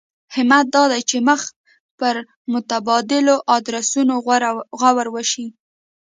همت دا دی چې مخ پر متبادلو ادرسونو غور وشي.